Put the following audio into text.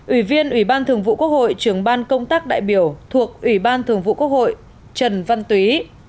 ủy viên ủy ban thường vụ quốc hội trưởng ban công tác đại biểu thuộc ủy ban thường vụ quốc hội trần văn túy